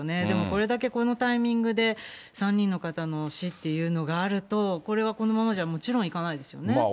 でもこれだけこのタイミングで、３人の方の死というのがあると、これはこのままじゃ、もちろんいかないですよね。